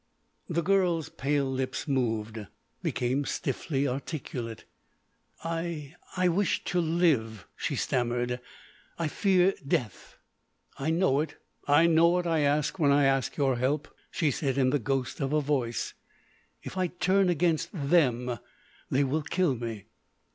The girl's pale lips moved—became stiffly articulate: "I—I wish to live," she stammered, "I fear death." "I know it. I know what I ask when I ask your help." She said in the ghost of a voice: "If I turn against them—they will kill me."